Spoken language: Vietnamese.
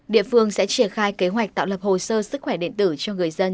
địa phương sẽ triển khai kế hoạch tạo lập hồ sơ sức khỏe điện tử cho người dân